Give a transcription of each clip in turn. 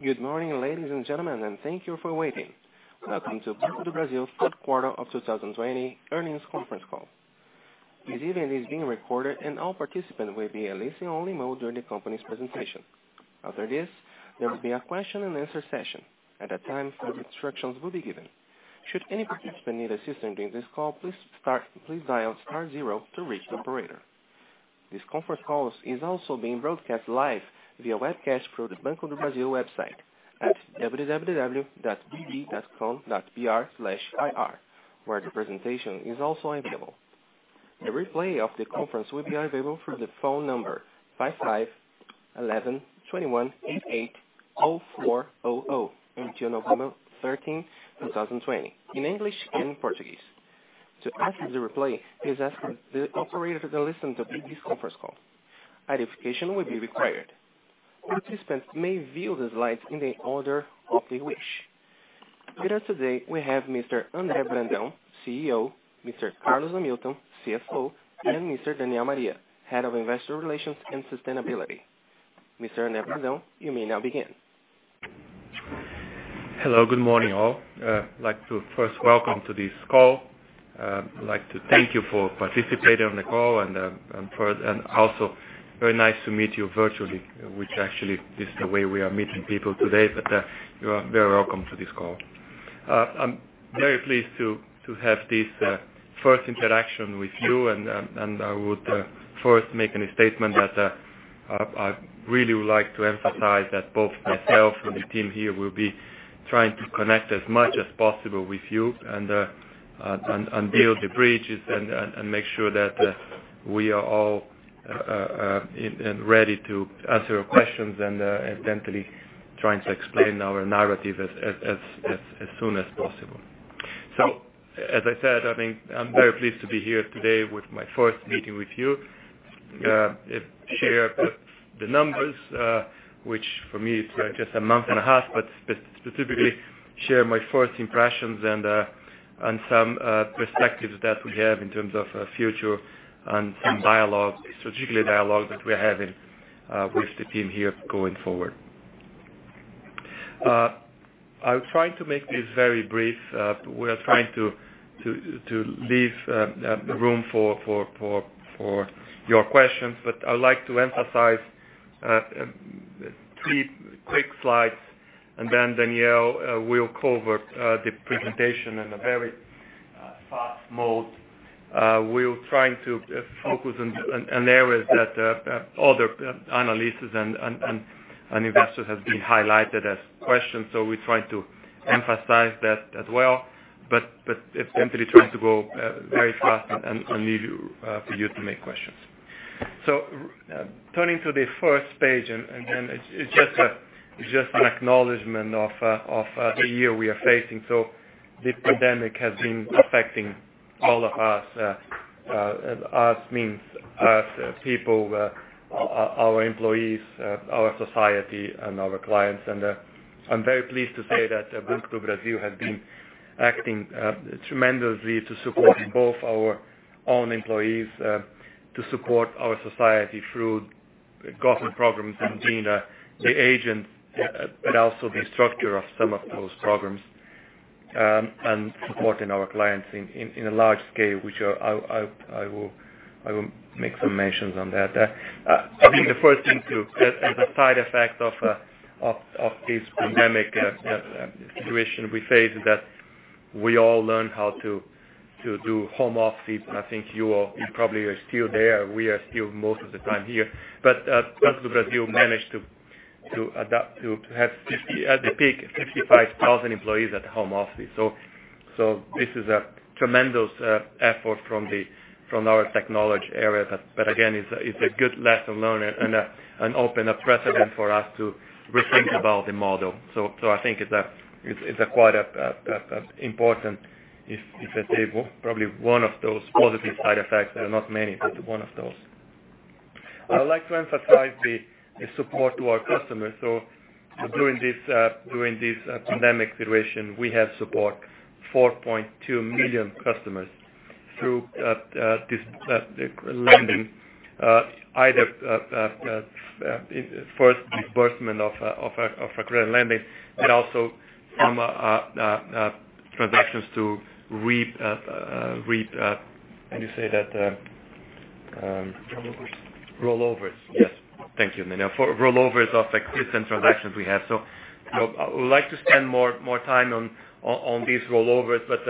Good morning, ladies and gentlemen, and thank you for waiting. Welcome to Banco do Brasil third quarter of 2020 earnings conference call. This event is being recorded, and all participants will be in listen-only mode during the company's presentation. After this, there will be a question-and-answer session. At that time, further instructions will be given. Should any participant need assistance during this call, please dial star zero to reach the operator. This conference call is also being broadcast live via webcast through the Banco do Brasil website at www.bb.com.br/ir, where the presentation is also available. A replay of the conference will be available through the phone number 551121880400 until November 13, 2020, in English and in Portuguese. To access the replay, please ask the operator to listen to this conference call. Identification will be required. Participants may view the slides in the order of their wish. With us today, we have Mr. André Brandão, CEO, Mr. Carlos Hamilton, CFO, and Mr. Daniel Maria, Head of Investor Relations and Sustainability. Mr. André Brandão, you may now begin. Hello, good morning, all. I'd like to first welcome you to this call. I'd like to thank you for participating in the call, and also very nice to meet you virtually, which actually is the way we are meeting people today, but you are very welcome to this call. I'm very pleased to have this first interaction with you, and I would first make a statement that I really would like to emphasize that both myself and the team here will be trying to connect as much as possible with you and build the bridges and make sure that we are all ready to answer your questions and attentively trying to explain our narrative as soon as possible. So, as I said, I'm very pleased to be here today with my first meeting with you, share the numbers, which for me is just a month and a half, but specifically share my first impressions and some perspectives that we have in terms of future and some dialogue, strategically dialogue, that we are having with the team here going forward. I'm trying to make this very brief. We are trying to leave room for your questions, but I'd like to emphasize three quick slides, and then Daniel will cover the presentation in a very fast mode. We're trying to focus on areas that other analysts and investors have been highlighted as questions, so we're trying to emphasize that as well, but attempting to try to go very fast and leave you for you to make questions. Turning to the first page, it's just an acknowledgment of the year we are facing. The pandemic has been affecting all of us. Us means us, people, our employees, our society, and our clients. I'm very pleased to say that Banco do Brasil has been acting tremendously to support both our own employees, to support our society through government programs and being the agent, but also the structure of some of those programs and supporting our clients on a large scale, which I will make some mentions on that. The first thing to - as a side effect of this pandemic situation we face - is that we all learn how to do home office. You probably are still there. We are still most of the time here, but Banco do Brasil managed to have at the peak 65,000 employees at the home office. So, this is a tremendous effort from our technology area, but again, it's a good lesson learned and an open precedent for us to rethink about the model. So, I think it's quite important if it's probably one of those positive side effects, there are not many, but one of those. I'd like to emphasize the support to our customers. So, during this pandemic situation, we have support, 4.2 million customers, through this lending, either first disbursement of a credit lending, but also from transactions to, can you say that? Rollovers. Rollovers, yes. Thank you, Daniel. Rollovers of existing transactions we have. So, I would like to spend more time on these rollovers, but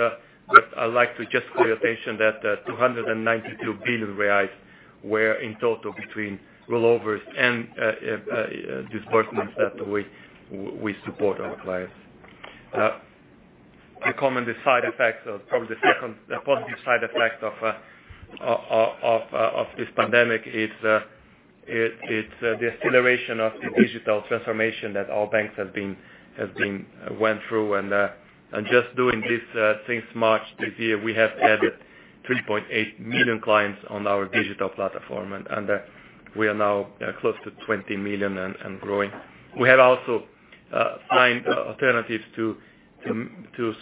I'd like to just call your attention that 292 billion reais were in total between rollovers and disbursements that we support our clients. The common side effects, or probably the second positive side effect of this pandemic, is the acceleration of the digital transformation that our banks have went through. And just doing this since March this year, we have added 3.8 million clients on our digital platform, and we are now close to 20 million and growing. We have also sought alternatives to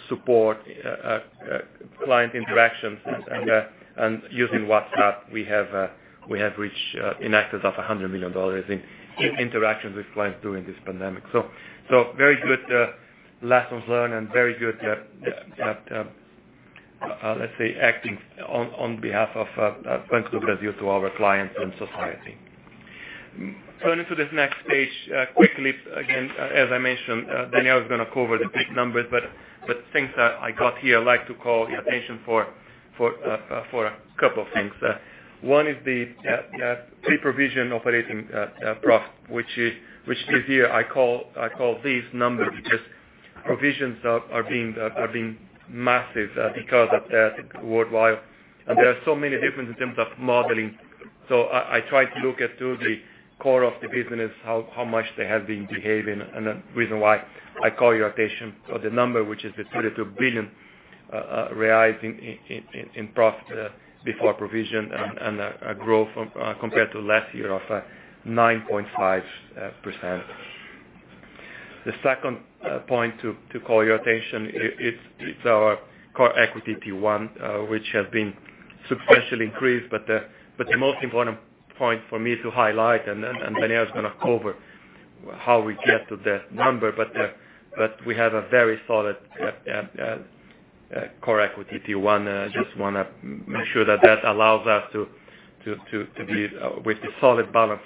support client interactions, and using WhatsApp, we have reached in excess of 100 million interactions with clients during this pandemic. So, very good lessons learned and very good, let's say, acting on behalf of Banco do Brasil to our clients and society. Turning to this next page quickly, again, as I mentioned, Daniel is going to cover the big numbers, but things that I got here, I'd like to call your attention for a couple of things. One is the Pre-Provision Operating Profit, which this year I call these numbers because provisions are being massive because of that worldwide, and there are so many differences in terms of modeling. So, I tried to look at the core of the business, how much they have been behaving, and the reason why I call your attention for the number, which is the 32 billion reais in profit before provision and a growth compared to last year of 9.5%. The second point to call your attention is our Core Equity T1, which has been substantially increased, but the most important point for me to highlight, and Daniel is going to cover how we get to that number, but we have a very solid Core Equity T1. I just want to make sure that that allows us to have a solid balance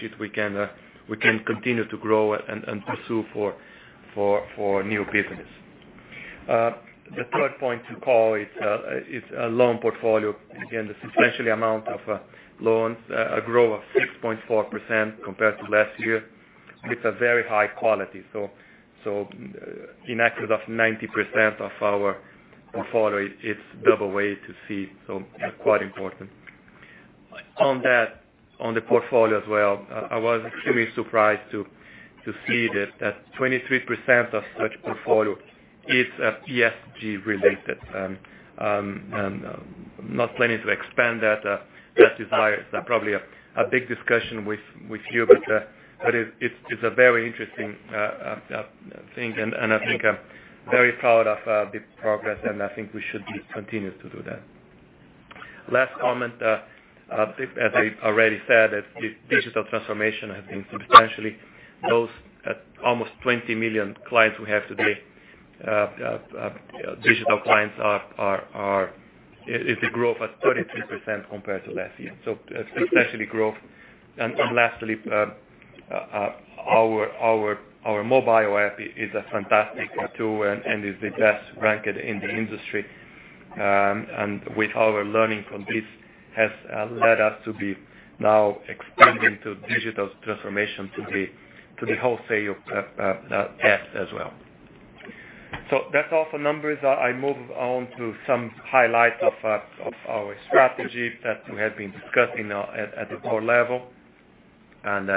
sheet. We can continue to grow and pursue for new business. The third point to call is a loan portfolio. Again, the substantial amount of loans, a growth of 6.4% compared to last year, with a very high quality. So, in excess of 90% of our portfolio, it's AA to C. So, quite important. On the portfolio as well, I was extremely surprised to see that 23% of such portfolio is ESG related. I'm not planning to expand that desire. It's probably a big discussion with you, but it's a very interesting thing, and I think I'm very proud of the progress, and I think we should continue to do that. Last comment, as I already said, the digital transformation has been substantial. Those almost 20 million clients we have today, digital clients, is a growth of 33% compared to last year. So, substantial growth. And lastly, our mobile app is a fantastic tool and is the best ranked in the industry. And with our learning from this, has led us to be now expanding to digital transformation to the wholesale ops as well. So, that's all for numbers. I move on to some highlights of our strategy that we have been discussing at the core level, and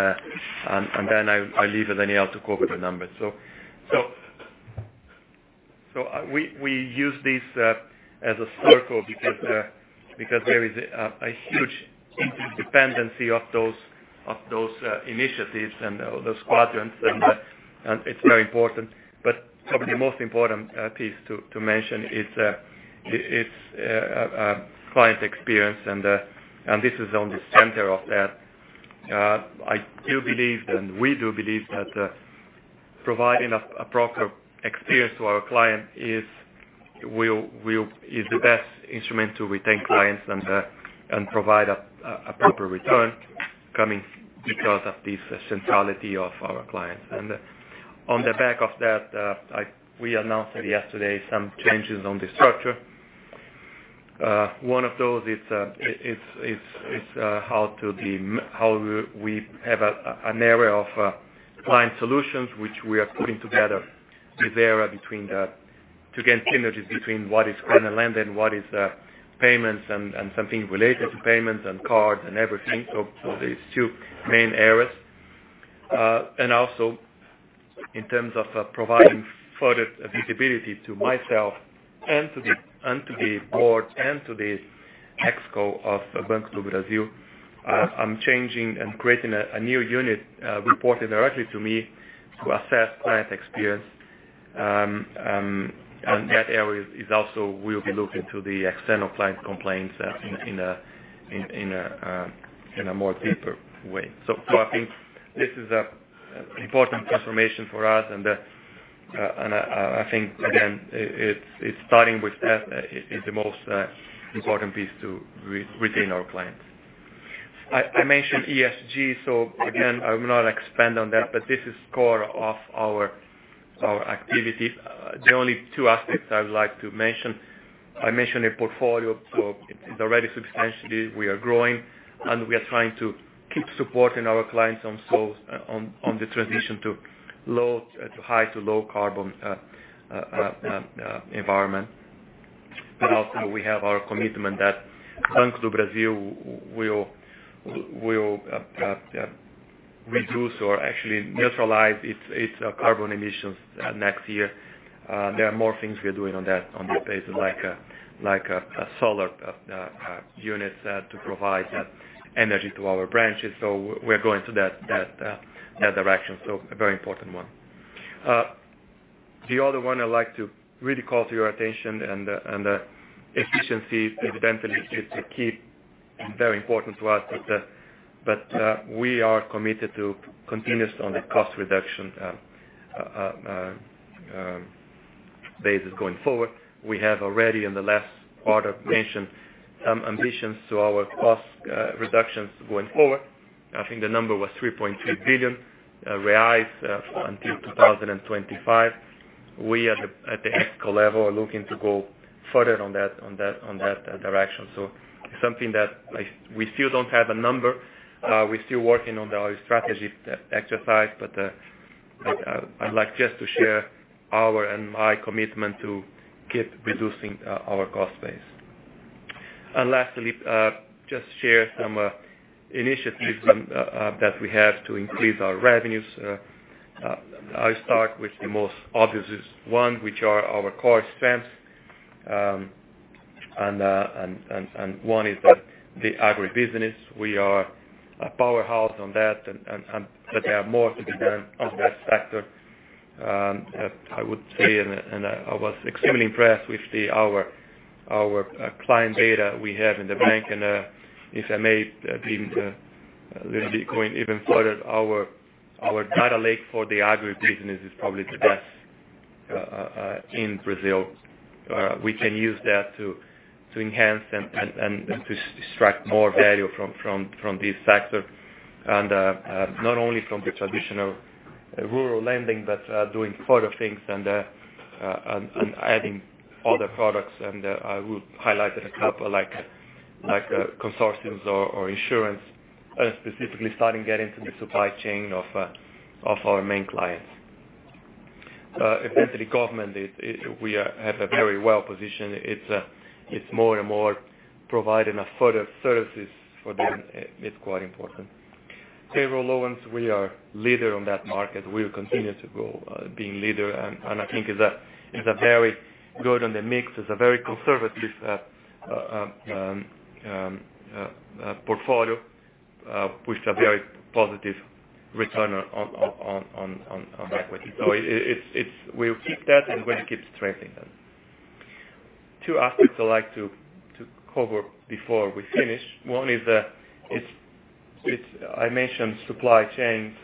then I leave Daniel to cover the numbers. So, we use this as a circle because there is a huge dependency of those initiatives and those quadrants, and it's very important. But probably the most important piece to mention is client experience, and this is on the center of that. I do believe, and we do believe, that providing a proper experience to our client is the best instrument to retain clients and provide a proper return coming because of this centrality of our clients. And on the back of that, we announced yesterday some changes on the structure. One of those is how we have an area of client solutions, which we are putting together this area to get synergies between what is credit lending, what is payments, and something related to payments and cards and everything. So, there are two main areas. Also, in terms of providing further visibility to myself and to the board and to the ExCo of Banco do Brasil, I'm changing and creating a new unit reported directly to me to assess client experience. That area is also where we look into the external client complaints in a more deeper way. I think this is an important transformation for us, and I think, again, starting with that is the most important piece to retain our clients. I mentioned ESG, so again, I will not expand on that, but this is core of our activity. The only two aspects I would like to mention. I mentioned a portfolio, so it's already substantially we are growing, and we are trying to keep supporting our clients on the transition to high to low carbon environment. But also, we have our commitment that Banco do Brasil will reduce or actually neutralize its carbon emissions next year. There are more things we are doing on that basis, like solar units to provide energy to our branches. So, we're going to that direction. So, a very important one. The other one I'd like to really call to your attention, and efficiency, evidently, is to keep very important to us, but we are committed to continuous on the cost reduction basis going forward. We have already, in the last part, mentioned some ambitions to our cost reductions going forward. I think the number was 3.2 billion reais until 2025. We, at the exco level, are looking to go further on that direction. So, it's something that we still don't have a number. We're still working on our strategy exercise, but I'd like just to share our and my commitment to keep reducing our cost base. Lastly, just share some initiatives that we have to increase our revenues. I'll start with the most obvious one, which are our core strengths. One is the agribusiness. We are a powerhouse on that, but there are more to be done on that sector, I would say. I was extremely impressed with our client data we have in the bank. If I may be a little bit going even further, our data lake for the agribusiness is probably the best in Brazil. We can use that to enhance and to extract more value from this sector, and not only from the traditional rural lending, but doing further things and adding other products. I will highlight a couple like consortiums or insurance, and specifically starting to get into the supply chain of our main clients. Eventually, government, we have a very well-positioned. It's more and more providing further services for them. It's quite important. Payroll loans, we are leader on that market. We will continue to be leader, and I think it's a very good on the mix. It's a very conservative portfolio with a very positive return on equity. So, we will keep that and we'll keep strengthening that. Two aspects I'd like to cover before we finish. One is I mentioned supply chains,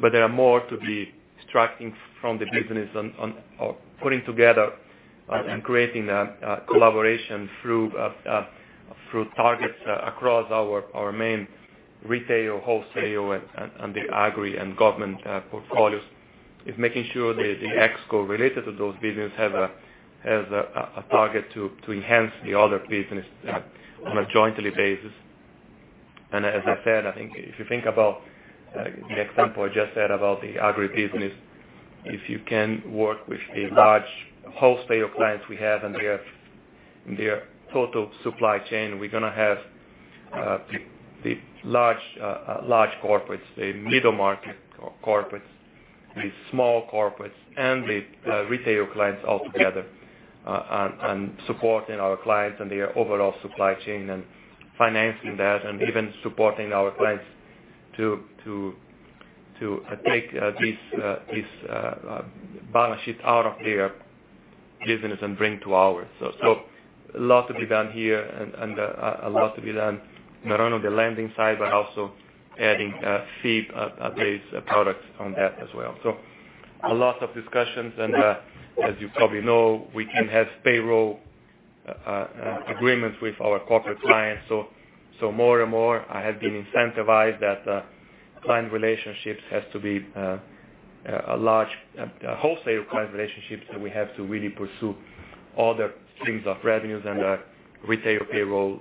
but there are more to be extracting from the business on putting together and creating collaboration through targets across our main retail, wholesale, and the agri and government portfolios. It's making sure the ExCo related to those businesses has a target to enhance the other business on a joint basis. And as I said, I think if you think about the example I just said about the agribusiness, if you can work with the large wholesale clients we have and their total supply chain, we're going to have the large corporates, the middle market corporates, the small corporates, and the retail clients altogether, and supporting our clients and their overall supply chain and financing that, and even supporting our clients to take this balance sheet out of their business and bring to ours. So, a lot to be done here and a lot to be done not only on the lending side, but also adding fee-based products on that as well. A lot of discussions, and as you probably know, we can have payroll agreements with our corporate clients. More and more, I have been incentivized that client relationships have to be a large wholesale client relationship, so we have to really pursue other streams of revenues, and retail payroll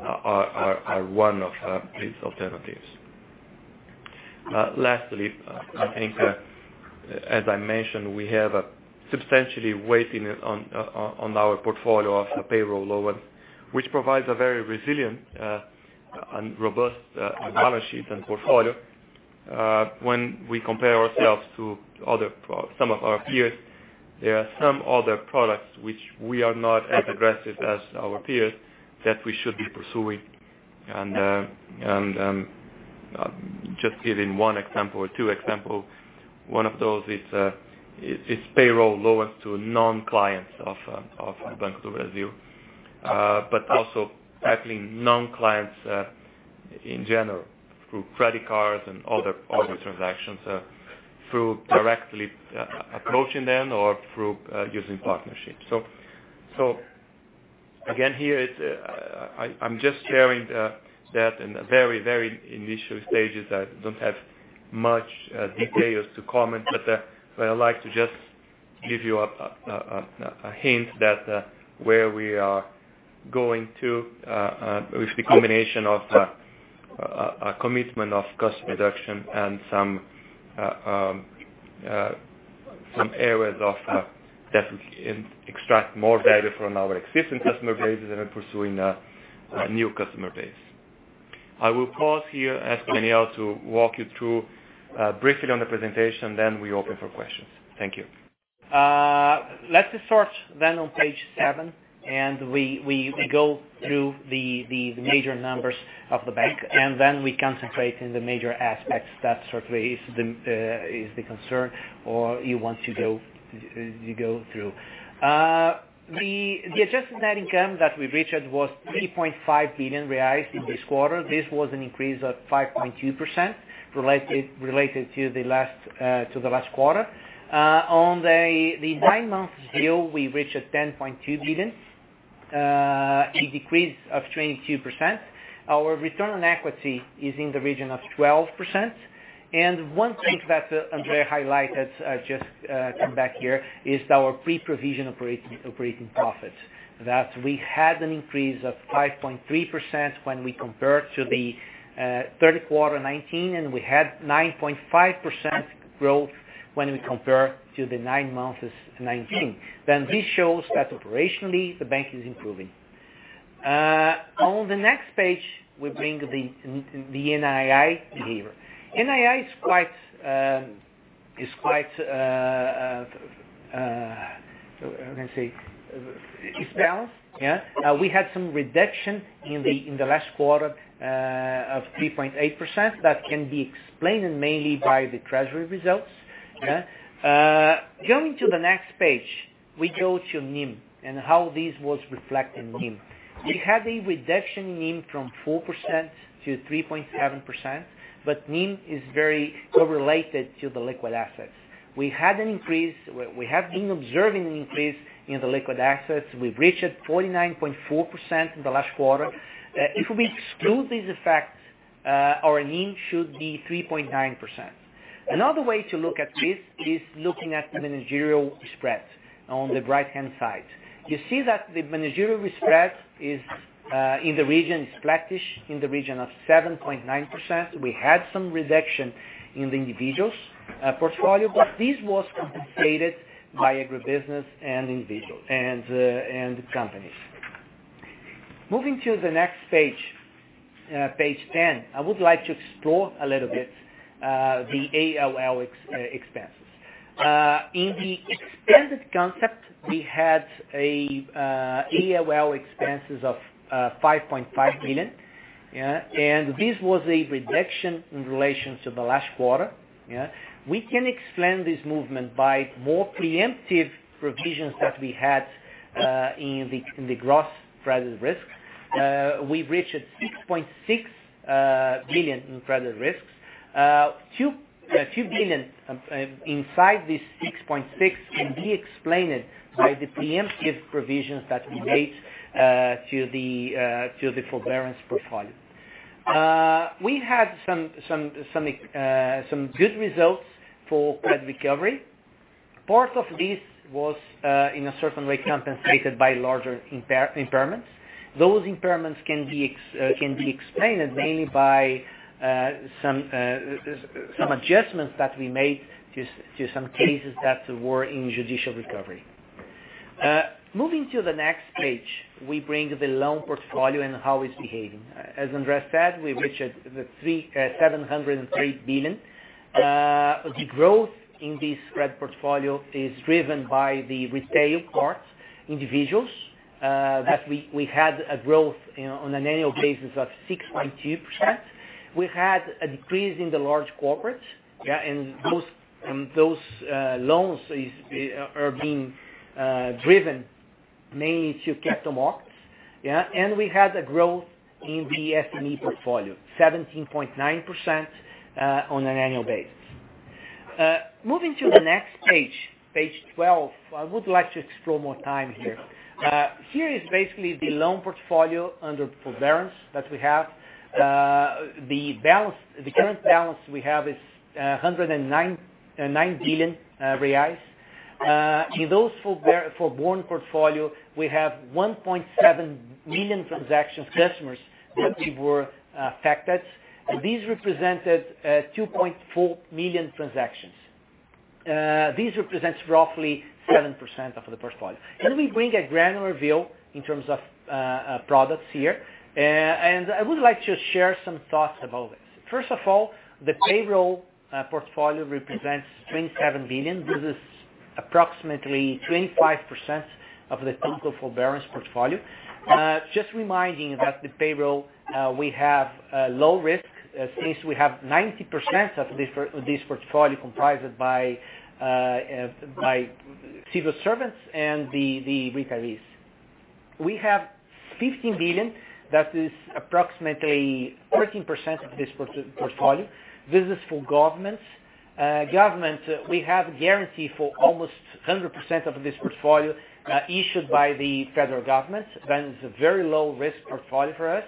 are one of these alternatives. Lastly, I think, as I mentioned, we have a substantially weighted on our portfolio of payroll loans, which provides a very resilient and robust balance sheet and portfolio. When we compare ourselves to some of our peers, there are some other products which we are not as aggressive as our peers that we should be pursuing. Just giving one example or two examples, one of those is payroll loans to non-clients of Banco do Brasil, but also tackling non-clients in general through credit cards and other transactions, through directly approaching them or through using partnerships. So, again, here, I'm just sharing that in the very, very initial stages. I don't have much details to comment, but I'd like to just give you a hint that where we are going to with the combination of a commitment of cost reduction and some areas that we can extract more value from our existing customer base and pursuing a new customer base. I will pause here, ask Daniel to walk you through briefly on the presentation, then we open for questions. Thank you. Let's start then on page seven, and we go through the major numbers of the bank, and then we concentrate in the major aspects that certainly is the concern or you want to go through. The adjusted net income that we reached was 3.5 billion reais this quarter. This was an increase of 5.2% related to the last quarter. On the nine-month deal, we reached 10.2 billion, a decrease of 22%. Our return on equity is in the region of 12%., and one thing that André highlighted just come back here is our pre-provision operating profits. We had an increase of 5.3% when we compared to the third quarter 2019, and we had 9.5% growth when we compared to the nine months 2019, then this shows that operationally, the bank is improving. On the next page, we bring the NII behavior. NII is quite, I'm going to say, is balanced. Yeah. We had some reduction in the last quarter of 3.8%. That can be explained mainly by the treasury results. Yeah. Going to the next page, we go to NIM and how this was reflected in NIM. We had a reduction in NIM from 4% to 3.7%, but NIM is very correlated to the liquid assets. We had an increase. We have been observing an increase in the liquid assets. We've reached 49.4% in the last quarter. If we exclude these effects, our NIM should be 3.9%. Another way to look at this is looking at the managerial spread on the right-hand side. You see that the managerial spread in the region is flattish in the region of 7.9%. We had some reduction in the individuals' portfolio, but this was compensated by agribusiness and individuals and companies. Moving to the next page, page 10, I would like to explore a little bit the OpEx expenses. In the extended concept, we had OpEx expenses of 5.5 billion, and this was a reduction in relation to the last quarter. We can explain this movement by more preemptive provisions that we had in the gross credit risk. We reached 6.6 billion in credit risks. 2 billion inside this 6.6 billion can be explained by the preemptive provisions that we made to the forbearance portfolio. We had some good results for credit recovery. Part of this was, in a certain way, compensated by larger impairments. Those impairments can be explained mainly by some adjustments that we made to some cases that were in judicial recovery. Moving to the next page, we bring the loan portfolio and how it's behaving. As André said, we reached 703 billion. The growth in this credit portfolio is driven by the retail part, individuals. We had a growth on an annual basis of 6.2%. We had a decrease in the large corporates, and those loans are being driven mainly to capital markets. We had a growth in the SME portfolio, 17.9% on an annual basis. Moving to the next page, page 12, I would like to spend more time here. Here is basically the loan portfolio under forbearance that we have. The current balance we have is 109 billion reais. In those forborne portfolio, we have 1.7 million transactions. Customers that were affected. These represented 2.4 million transactions. These represent roughly 7% of the portfolio. We bring a granular view in terms of products here, and I would like to share some thoughts about this. First of all, the payroll portfolio represents 27 billion. This is approximately 25% of the total forbearance portfolio. Just reminding that the payroll we have low risk since we have 90% of this portfolio comprised by civil servants and the retirees. We have 15 billion. That is approximately 13% of this portfolio. This is for governments. Governments, we have a guarantee for almost 100% of this portfolio issued by the federal government. That is a very low-risk portfolio for us.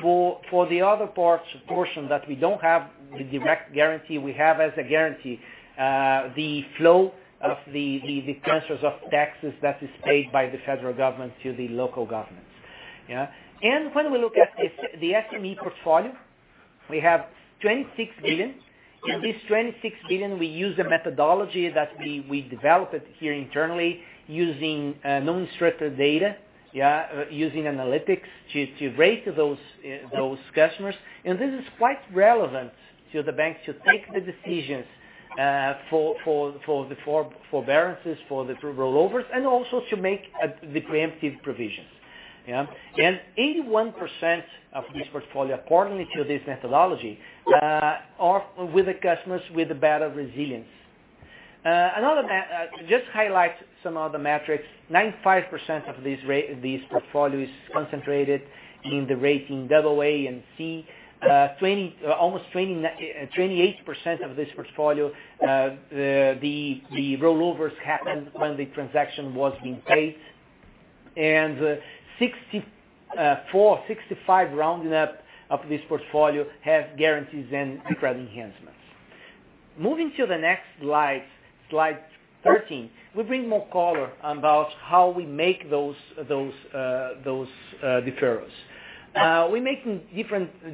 For the other portion that we don't have the direct guarantee, we have as a guarantee the flow of the transfers of taxes that are paid by the federal government to the local governments. Yeah. And when we look at the SME portfolio, we have 26 billion. In this 26 billion, we use a methodology that we developed here internally using non-restricted data, using analytics to rate those customers. This is quite relevant to the bank to take the decisions for the forbearances for the rollovers and also to make the preemptive provisions. Yeah. 81% of this portfolio, according to this methodology, are with the customers with better resilience. Just highlight some other metrics. 95% of this portfolio is concentrated in the rating AA and C. Almost 28% of this portfolio, the rollovers happened when the transaction was being paid and 64/65 rounding up of this portfolio have guarantees and credit enhancements. Moving to the next slide, slide 13, we bring more color about how we make those deferrals. We make in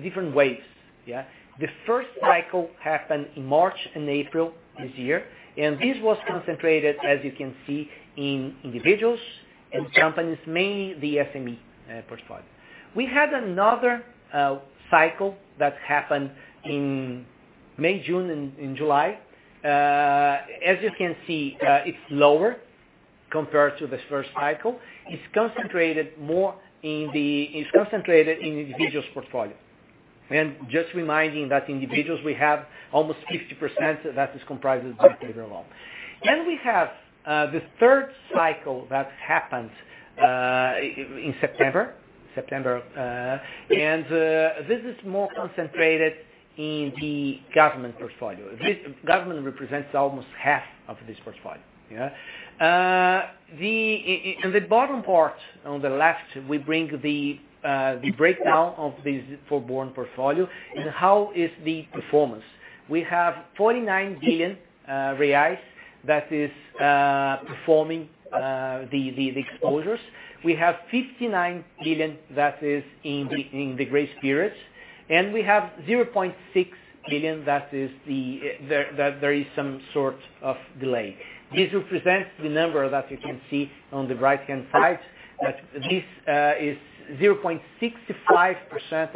different waves. Yeah. The first cycle happened in March and April this year, and this was concentrated, as you can see, in individuals and companies, mainly the SME portfolio. We had another cycle that happened in May, June, and July. As you can see, it's lower compared to the first cycle. It's concentrated more in the individuals' portfolio. Just reminding that individuals, we have almost 50% that is comprised by payroll loan. We have the third cycle that happened in September. This is more concentrated in the government portfolio. Government represents almost half of this portfolio. Yeah. In the bottom part on the left, we bring the breakdown of this forbearance portfolio and how is the performance. We have 49 billion reais that is performing the exposures. We have 59 billion that is in the grace period, and we have 0.6 billion that there is some sort of delay. This represents the number that you can see on the right-hand side. This is 0.65%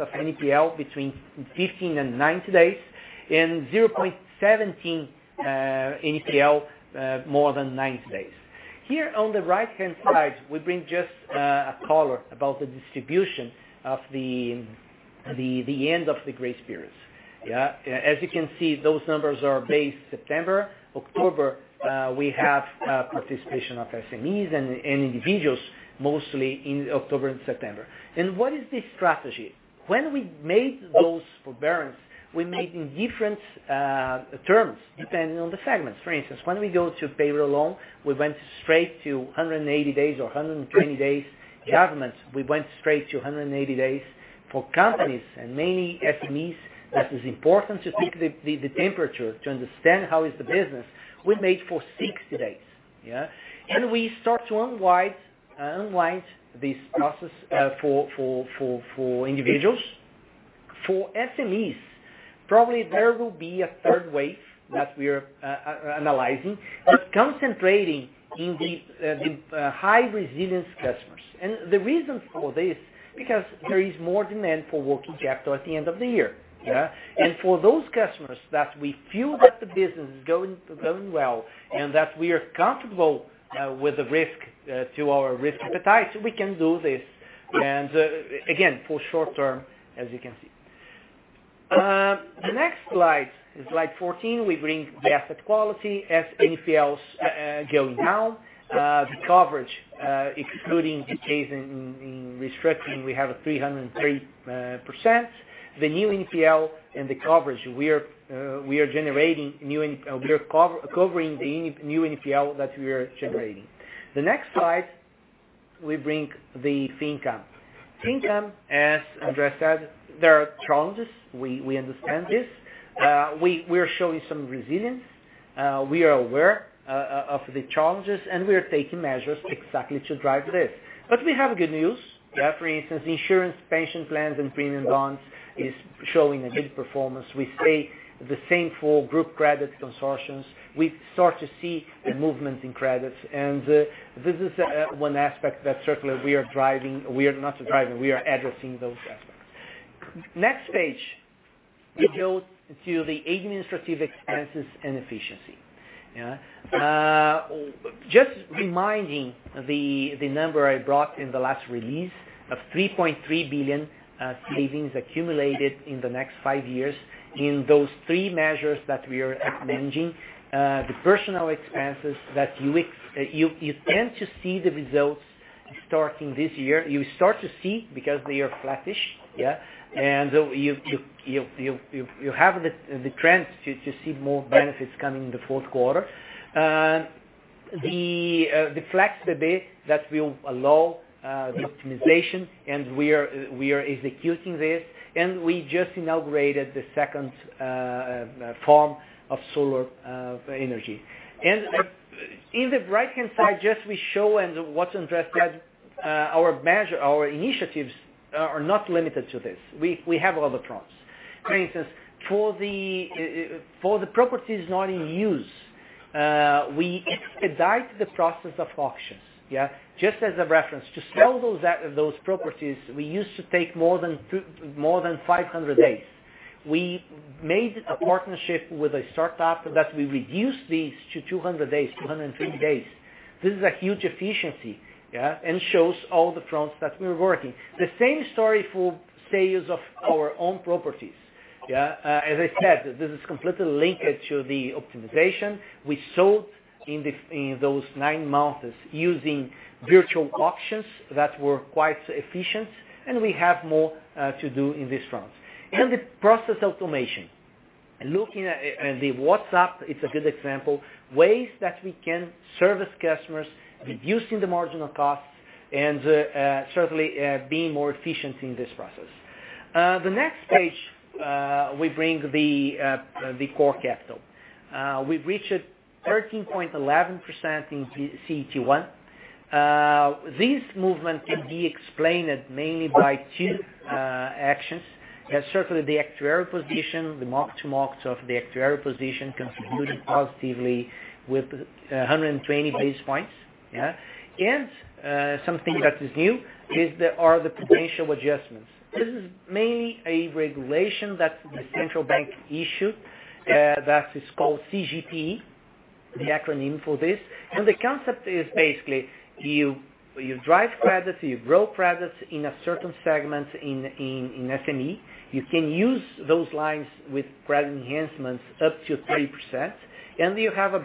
of NPL between 15 and 90 days and 0.17 NPL more than 90 days. Here on the right-hand side, we bring just a color about the distribution at the end of the grace periods. Yeah. As you can see, those numbers are as of September. October, we have participation of SMEs and individuals mostly in October and September. And what is the strategy? When we made those forbearance, we made in different terms depending on the segments. For instance, when we go to payroll loan, we went straight to 180 days or 120 days. Governments, we went straight to 180 days. For companies and mainly SMEs, that is important to take the temperature to understand how is the business. We made for 60 days. Yeah. And we start to unwind this process for individuals. For SMEs, probably there will be a third wave that we are analyzing, but concentrating in the high resilience customers. The reason for this is because there is more demand for working capital at the end of the year. Yeah. For those customers that we feel that the business is going well and that we are comfortable with the risk to our risk appetite, we can do this. Again, for short term, as you can see. The next slide is slide 14. We bring the asset quality as NPLs going down. The coverage, excluding the cases in restructuring, we have 303%. The new NPL and the coverage, we are covering the new NPL that we are generating. The next slide, we bring the fee income. Fee income, as Andrea said, there are challenges. We understand this. We are showing some resilience. We are aware of the challenges, and we are taking measures exactly to drive this. We have good news. Yeah. For instance, insurance, pension plans, and premium bonds are showing a good performance. We stay the same for group credit consortiums. We start to see the movements in credits, and this is one aspect that certainly we are driving. We are not driving. We are addressing those aspects. Next page. We go to the administrative expenses and efficiency. Yeah. Just reminding the number I brought in the last release of 3.3 billion savings accumulated in the next five years in those three measures that we are managing. The personnel expenses that you tend to see the results starting this year. You start to see because they are flattish. Yeah, and you have the trend to see more benefits coming in the fourth quarter. The flex budget that will allow the optimization, and we are executing this, and we just inaugurated the second farm of solar energy. In the right-hand side, just as we show and what André said, our initiatives are not limited to this. We have other prompts. For instance, for the properties not in use, we expedite the process of auctions. Yeah. Just as a reference, to sell those properties, we used to take more than 500 days. We made a partnership with a startup that we reduced these to 200 days, 230 days. This is a huge efficiency, yeah, and shows all the prompts that we're working. The same story for sales of our own properties. Yeah. As I said, this is completely linked to the optimization. We sold in those nine months using virtual auctions that were quite efficient, and we have more to do in this front. The process automation. Looking at the WhatsApp, it's a good example, ways that we can service customers, reducing the marginal costs, and certainly being more efficient in this process. The next page, we bring the core capital. We reached 13.11% in CET1. This movement can be explained mainly by two actions. Certainly, the actuarial position, the mark-to-market of the actuarial position, contributed positively with 120 basis points. Yeah. And something that is new is there are the prudential adjustments. This is mainly a regulation that the Central Bank issued that is called CGPE, the acronym for this. And the concept is basically you drive credit, you grow credits in a certain segment in SME. You can use those lines with credit enhancements up to 3%, and you have a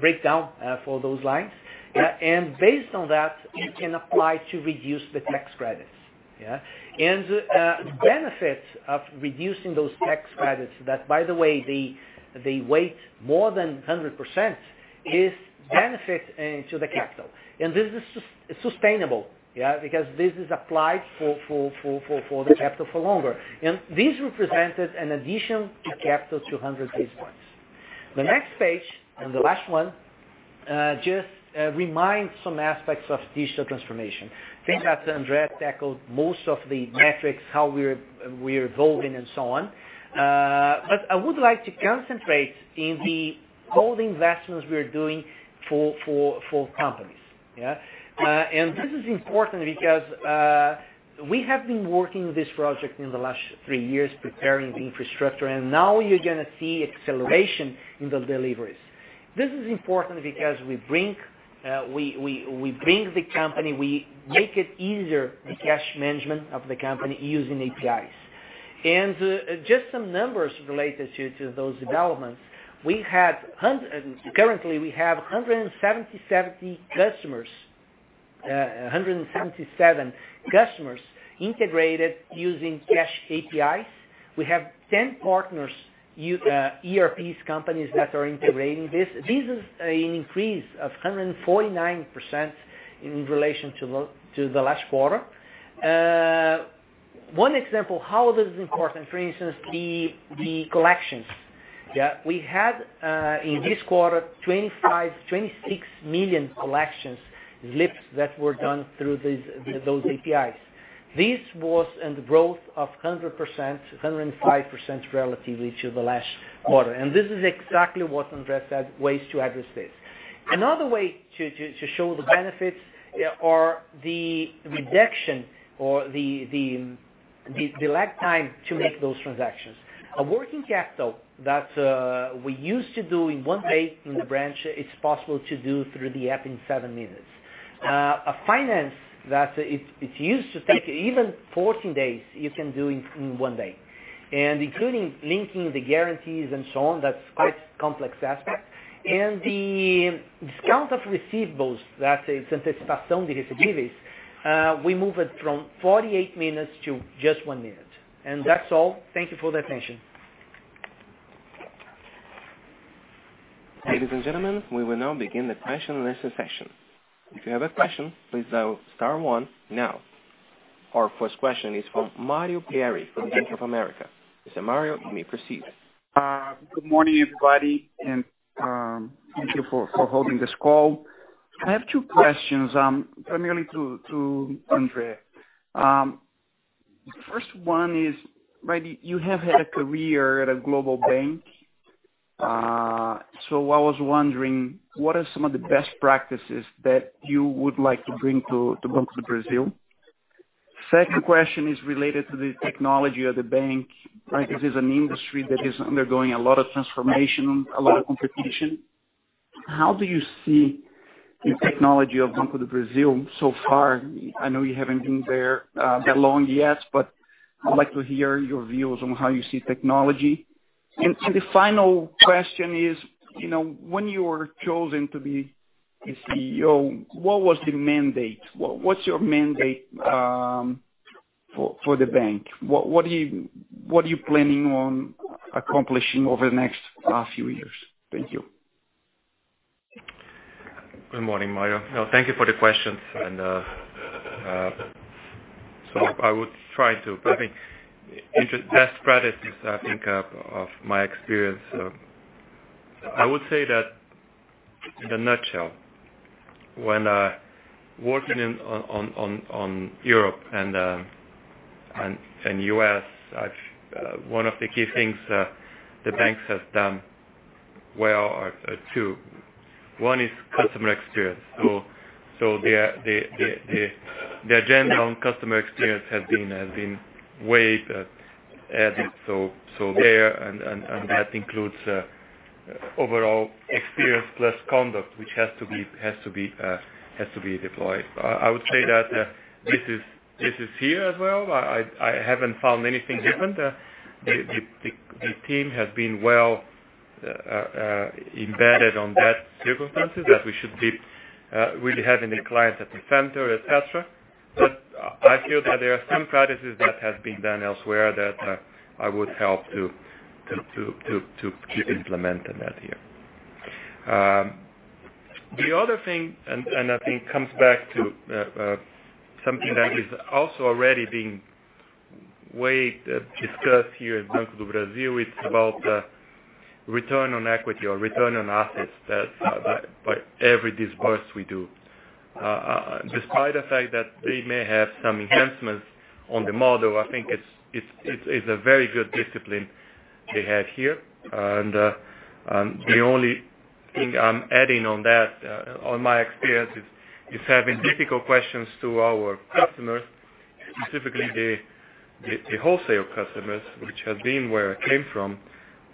breakdown for those lines. And based on that, you can apply to reduce the tax credits. Yeah. The benefit of reducing those tax credits that, by the way, they weigh more than 100% is benefit to the capital. This is sustainable, yeah, because this is applied for the capital for longer. This represented an addition to capital to 100 basis points. The next page, and the last one, just reminds some aspects of digital transformation. I think that André tackled most of the metrics, how we are evolving, and so on. But I would like to concentrate in the cloud investments we are doing for companies. Yeah. This is important because we have been working on this project in the last three years, preparing the infrastructure, and now you are going to see acceleration in the deliveries. This is important because we bring the company, we make it easier, the cash management of the company using APIs. Just some numbers related to those developments. Currently, we have 177 customers, 177 customers integrated using cash APIs. We have 10 partners, ERPs, companies that are integrating this. This is an increase of 149% in relation to the last quarter. One example of how this is important, for instance, the collections. Yeah. We had in this quarter 26 million collections, slips that were done through those APIs. This was in the growth of 100%, 105% relative to the last quarter. And this is exactly what André said, ways to address this. Another way to show the benefits are the reduction or the lag time to make those transactions. A working capital that we used to do in one day in the branch is possible to do through the app in seven minutes. A finance that it's used to take even 14 days, you can do in one day. And including linking the guarantees and so on, that's quite a complex aspect. And the discount of receivables that is anticipação de recebíveis, we moved it from 48 minutes to just one minute. And that's all. Thank you for the attention. Ladies and gentlemen, we will now begin the question and answer session. If you have a question, please dial star one now. Our first question is from Mario Pierry for the Bank of America. Mr. Mario, you may proceed. Good morning, everybody, and thank you for holding this call. I have two questions, primarily to André. The first one is, you have had a career at a global bank, so I was wondering, what are some of the best practices that you would like to bring to Banco do Brasil? The second question is related to the technology of the bank, right? This is an industry that is undergoing a lot of transformation, a lot of competition. How do you see the technology of Banco do Brasil so far? I know you haven't been there that long yet, but I'd like to hear your views on how you see technology. And the final question is, when you were chosen to be the CEO, what was the mandate? What's your mandate for the bank? What are you planning on accomplishing over the next few years? Thank you. Good morning, Mario. Thank you for the questions. And so I would try to, I think, best practices, I think, of my experience. I would say that in a nutshell, when working on Europe and the U.S., one of the key things the bank has done well are two. One is customer experience. So the agenda on customer experience has been way added. So, there and that includes overall experience plus conduct, which has to be deployed. I would say that this is here as well. I haven't found anything different. The team has been well embedded in those circumstances, that we should be really having the client at the center, etc. But I feel that there are some practices that have been done elsewhere that I would help to keep implementing here. The other thing, and I think it comes back to something that is also already being discussed here at Banco do Brasil. It's about return on equity or return on assets by every disbursement we do. Despite the fact that they may have some enhancements on the model, I think it's a very good discipline they have here. The only thing I'm adding on that, on my experience, is having difficult questions to our customers, specifically the wholesale customers, which has been where I came from,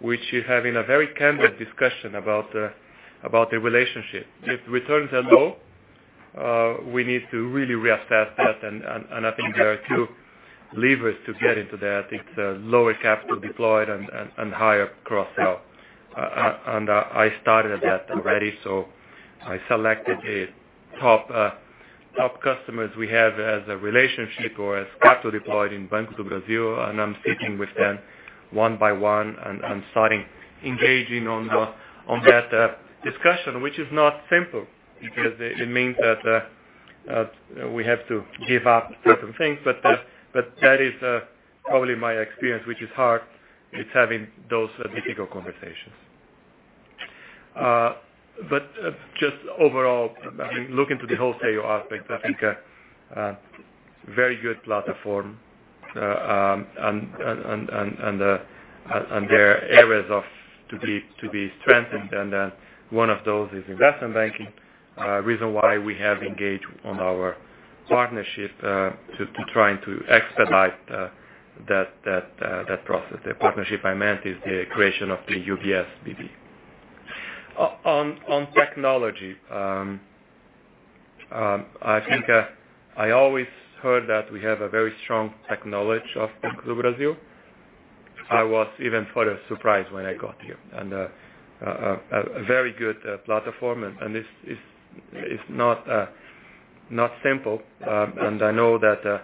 which is having a very candid discussion about the relationship. If returns are low, we need to really reassess that. I think there are two levers to get into that. It's lower capital deployed and higher cross-sell. I started at that already, so I selected the top customers we have as a relationship or as capital deployed in Banco do Brasil, and I'm sitting with them one by one and starting engaging on that discussion, which is not simple because it means that we have to give up certain things. That is probably my experience, which is hard. It's having those difficult conversations. But just overall, looking to the wholesale aspect, I think a very good platform and there are areas to be strengthened. And one of those is investment banking, reason why we have engaged on our partnership to try to expedite that process. The partnership I meant is the creation of the UBS BB. On technology, I think I always heard that we have a very strong technology of Banco do Brasil. I was even further surprised when I got here. And a very good platform, and this is not simple. And I know that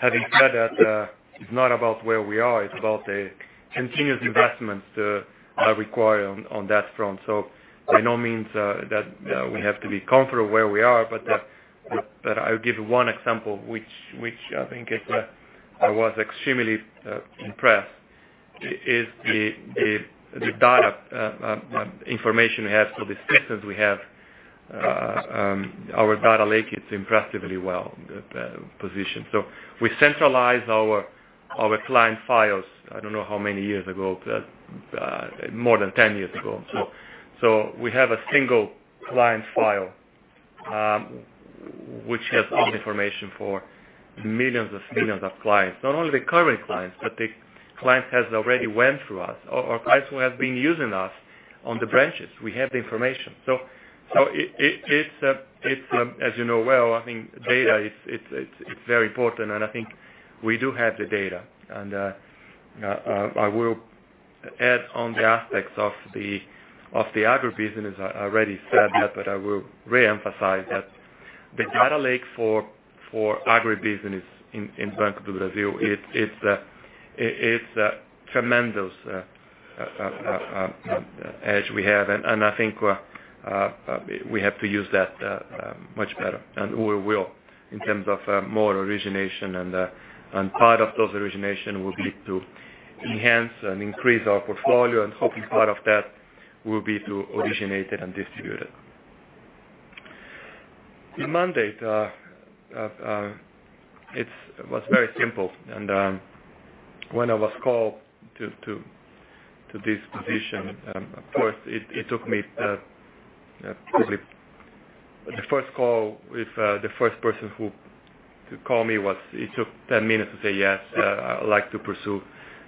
having said that, it's not about where we are. It's about the continuous investments required on that front. So by no means that we have to be comfortable where we are. But I'll give you one example, which I think I was extremely impressed, is the data information we have for the systems we have. Our data lake is impressively well positioned. We centralize our client files. I don't know how many years ago, but more than 10 years ago. We have a single client file, which has information for millions of clients. Not only the current clients, but the clients that already went through us, or clients who have been using us on the branches. We have the information. It's, as you know well, I think data is very important, and I think we do have the data. I will add on the aspects of the agribusiness. I already said that, but I will re-emphasize that the data lake for agribusiness in Banco do Brasil. It's a tremendous edge we have. I think we have to use that much better, and we will, in terms of more origination. Part of those origination will be to enhance and increase our portfolio, and hopefully part of that will be to originate it and distribute it. The mandate was very simple. When I was called to this position, of course, it took me probably the first call with the first person who called me was, it took 10 minutes to say, "Yes, I'd like to pursue."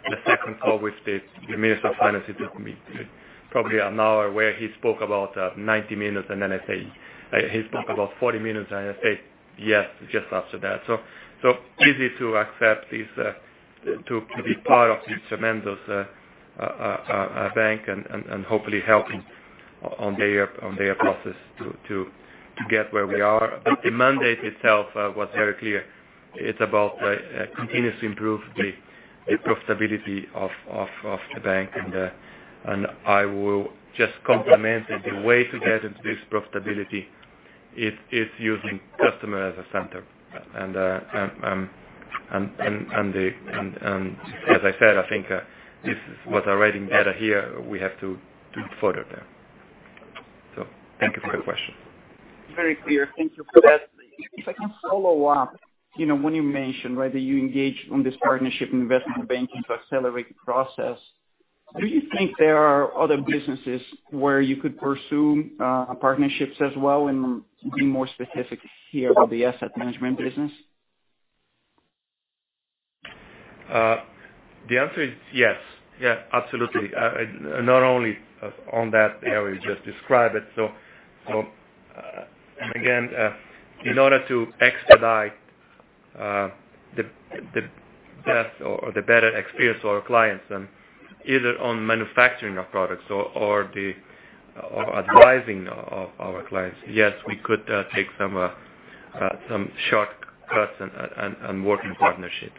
The second call with the minister of finance, it took me probably an hour, where he spoke about 90 minutes, and then he spoke about 40 minutes, and I said, "Yes," just after that, so easy to accept to be part of this tremendous bank and hopefully helping on their process to get where we are. The mandate itself was very clear. It's about continuously improving the profitability of the bank. I will just complement the way to get into this profitability. It's using customer as a center. As I said, I think this is what I already get here. We have to do further there. Thank you for the question. Very clear. Thank you for that. If I can follow up, when you mentioned that you engaged on this partnership investment banking to accelerate the process, do you think there are other businesses where you could pursue partnerships as well? Being more specific here about the asset management business. The answer is yes. Yeah, absolutely. Not only on that area you just described. Again, in order to expedite the best or the better experience for our clients, either on manufacturing of products or advising of our clients, yes, we could take some shortcuts and work in partnerships.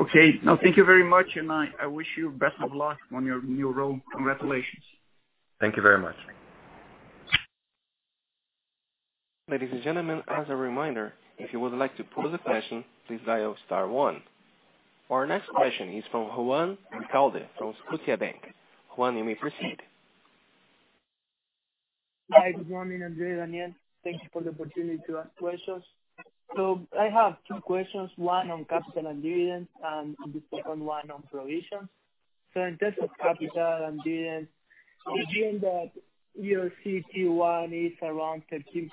Okay. No, thank you very much, and I wish you best of luck on your new role. Congratulations. Thank you very much. Ladies and gentlemen, as a reminder, if you would like to pose a question, please dial star one. Our next question is from Juan Govalde from Scotiabank. Juan, you may proceed. Hi, good morning, André. Thank you for the opportunity to ask questions. So I have two questions. One on capital and dividends, and the second one on provisions. So in terms of capital and dividends, you're seeing that your CT1 is around 13%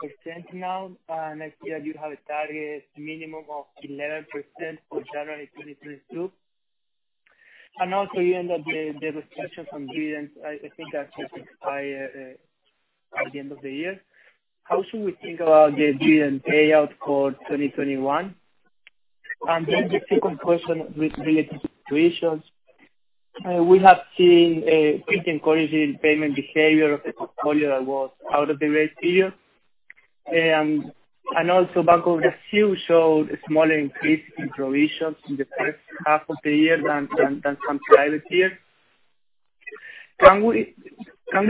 now, and I see that you have a target minimum of 11% for January 2022. And also you end up with the restrictions on dividends. I think that's expiring at the end of the year. How should we think about the dividend payout for 2021? And then the second question related to provisions. We have seen increasingly correcting payment behavior of the portfolio that was out of the grace period. Also, Banco do Brasil showed a smaller increase in provisions in the first half of the year than some private peers. Can we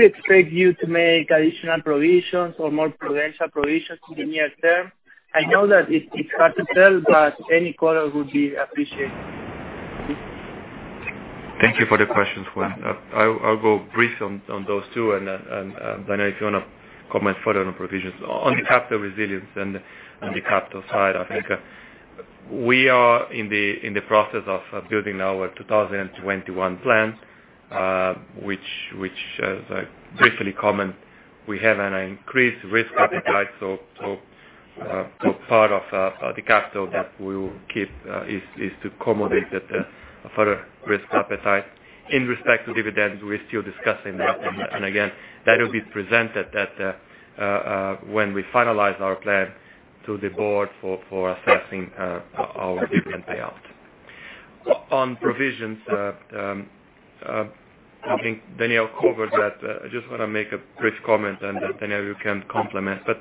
expect you to make additional provisions or more prudential provisions in the near term? I know that it's hard to tell, but any color would be appreciated. Thank you for the questions, Juan. I'll be brief on those two. And Daniel, if you want to comment further on provisions. On capital resilience and on the capital side, I think we are in the process of building our 2021 plan, which, as I briefly commented, we have an increased risk appetite. So part of the capital that we will keep is to accommodate further risk appetite. In respect to dividends, we're still discussing that. Again, that will be presented when we finalize our plan to the board for assessing our dividend payout. On provisions, I think Daniel covered that. I just want to make a brief comment, and Daniel, you can complement. But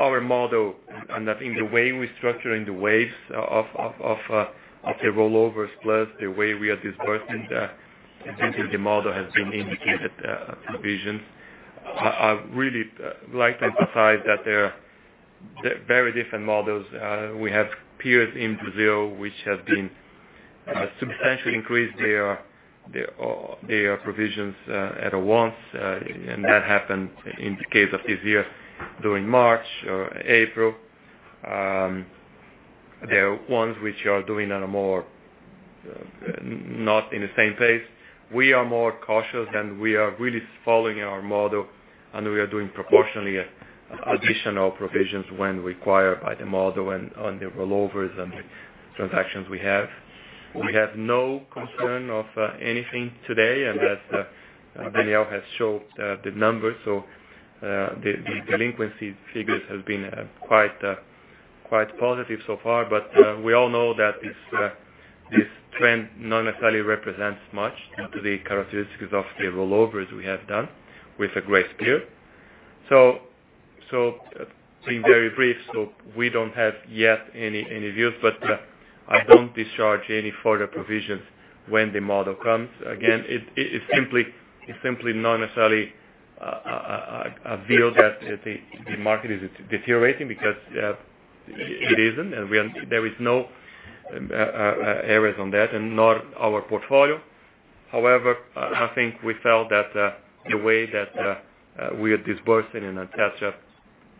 our model and the way we structure in the waves of the rollovers plus the way we are disbursing, I think the model has been indicated provisions. I really like to emphasize that there are very different models. We have peers in Brazil which have been substantially increased their provisions at once. And that happened in the case of this year during March or April. There are ones which are doing not in the same pace. We are more cautious, and we are really following our model, and we are doing proportionally additional provisions when required by the model and on the rollovers and the transactions we have. We have no concern of anything today, and as Daniel has shown the numbers, so the delinquency figures have been quite positive so far, but we all know that this trend not necessarily represents much due to the characteristics of the rollovers we have done with a grace period. Being very brief, we don't have yet any views, but I don't discharge any further provisions when the model comes. Again, it's simply not necessarily a view that the market is deteriorating because it isn't, and there are no errors on that and not our portfolio. However, I think we felt that the way that we are disbursing and etc.,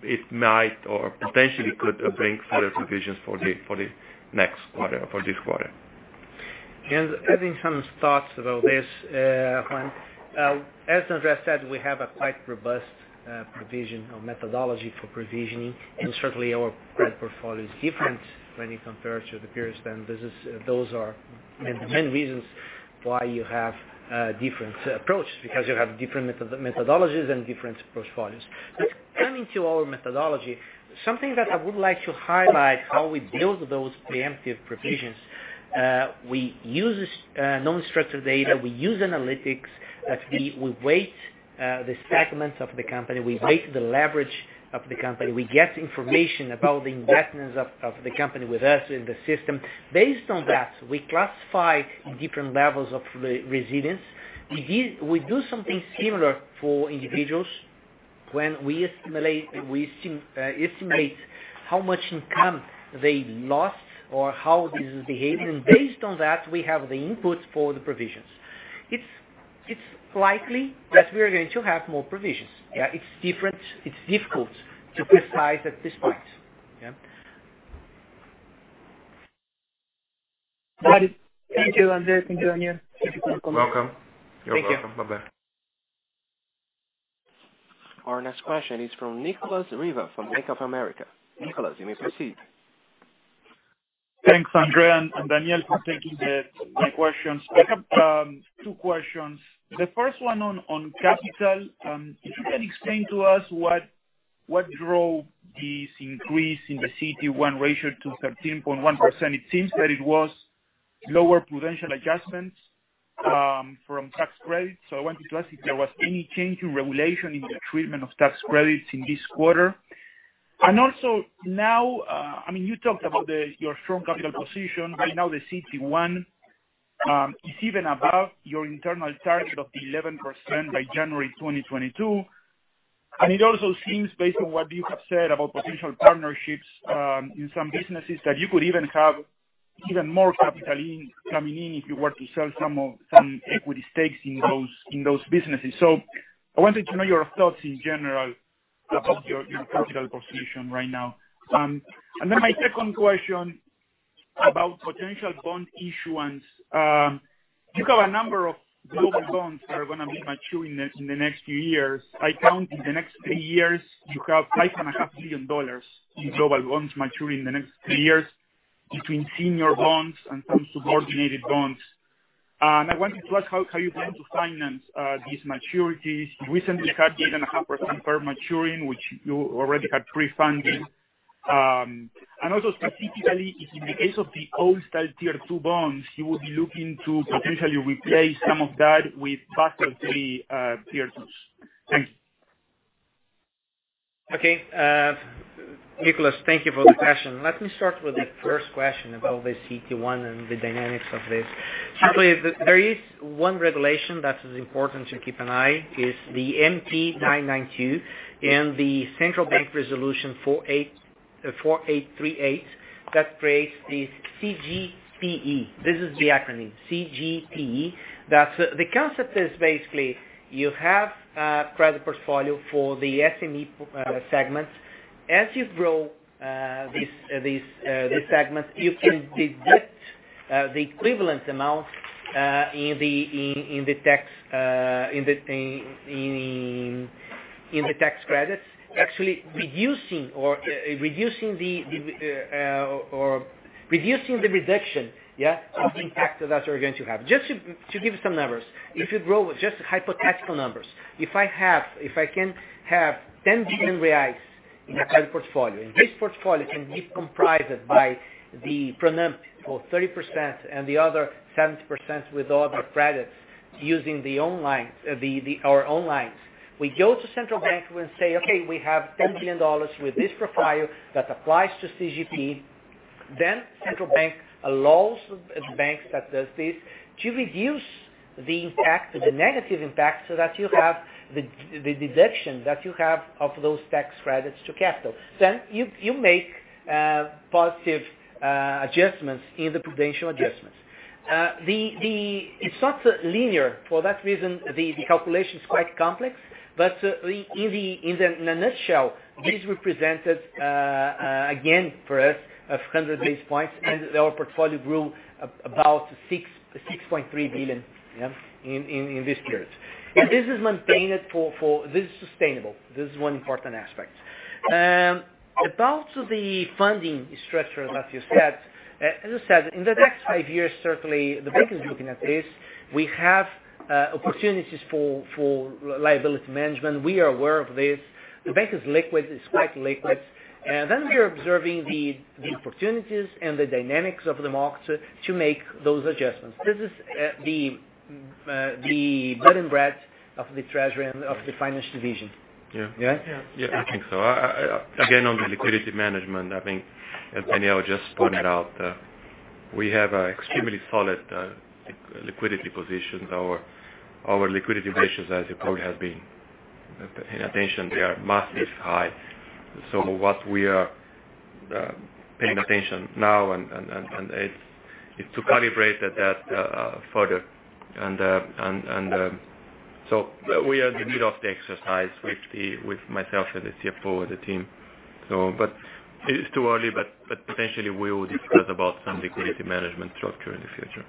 it might or potentially could bring further provisions for the next quarter or for this quarter. And having some thoughts about this, Juan, as André said, we have a quite robust provision or methodology for provisioning. Certainly, our portfolio is different when you compare it to the peers. Those are the main reasons why you have different approaches, because you have different methodologies and different portfolios. Coming to our methodology, something that I would like to highlight, how we build those preemptive provisions. We use non-structured data. We use analytics. We weight the segments of the company. We weight the leverage of the company. We get information about the investments of the company with us in the system. Based on that, we classify different levels of resilience. We do something similar for individuals when we estimate how much income they lost or how this is behaving. Based on that, we have the input for the provisions. It's likely that we are going to have more provisions. Yeah, it's difficult to precise at this point. Yeah. Thank you, André. Thank you, Daniel. You're welcome. You're welcome. Bye-bye. Our next question is from Nicolas Riva from Bank of America. Nicolas, you may proceed. Thanks, André and Daniel, for taking my questions. I have two questions. The first one on capital. If you can explain to us what drove this increase in the CT1 ratio to 13.1%. It seems that it was lower prudential adjustments from tax credits. So I wanted to ask if there was any change in regulation in the treatment of tax credits in this quarter. And also now, I mean, you talked about your strong capital position. Right now, the CT1 is even above your internal target of 11% by January 2022. It also seems, based on what you have said about potential partnerships in some businesses, that you could even have more capital coming in if you were to sell some equity stakes in those businesses. So I wanted to know your thoughts in general about your capital position right now. And then my second question about potential bond issuance. You have a number of global bonds that are going to be maturing in the next few years. I count in the next three years, you have $5.5 billion in global bonds maturing in the next three years between senior bonds and some subordinated bonds. And I wanted to ask how you plan to finance these maturities. You recently had 8.5% perp maturing, which you already had pre-funded. And also specifically, in the case of the old-style tier two bonds, you would be looking to potentially replace some of that with buffer-free tier twos. Thank you. Okay. Nicolas, thank you for the question. Let me start with the first question about the CT1 and the dynamics of this. Certainly, there is one regulation that is important to keep an eye on. It's the MP 992 and the Central Bank Resolution 4838 that creates the CGPE. This is the acronym, CGPE. The concept is basically you have a credit portfolio for the SME segment. As you grow this segment, you can deduct the equivalent amount in the tax credits, actually reducing the reduction, yeah, of the impact that you're going to have. Just to give you some numbers, if you grow just hypothetical numbers, if I can have 10 billion reais in a credit portfolio, and this portfolio can be comprised by the CGPE for 30% and the other 70% with other credits using our own lines, we go to Central Bank and say, "Okay, we have 10 billion BRL with this profile that applies to CGP." Then Central Bank allows the banks that does this to reduce the negative impact so that you have the deduction that you have of those tax credits to capital. Then you make positive adjustments in the prudential adjustments. It's not linear. For that reason, the calculation is quite complex. But in a nutshell, this represented, again, for us, of 100 basis points, and our portfolio grew about 6.3 billion BRL in this period. And this is maintained for this is sustainable. This is one important aspect. About the funding structure that you said, as I said, in the next five years, certainly, the bank is looking at this. We have opportunities for liability management. We are aware of this. The bank is liquid. It's quite liquid. And then we are observing the opportunities and the dynamics of the market to make those adjustments. This is the bread and butter of the treasury and of the finance division. Yeah? Yeah. Yeah, I think so. Again, on the liquidity management, I think, as Daniel just pointed out, we have extremely solid liquidity positions. Our liquidity ratio, as you probably have been paying attention, they are massively high. So what we are paying attention now, and it's to calibrate that further. And so we are in the middle of the exercise with myself and the CFO and the team. But it's too early, but potentially we will discuss about some liquidity management structure in the future.